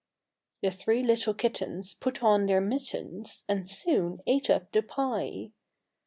The three little kittens Put on their mittens, And soon ate up the pie.